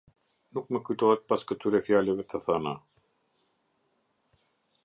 Nuk më kujtohet pas këtyre fjalëve të thëna.